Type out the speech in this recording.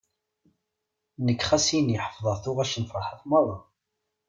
Nekk ɣas ini ḥefḍeɣ tuɣac n Ferḥat merra.